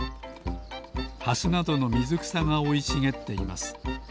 ハスなどのみずくさがおいしげっています。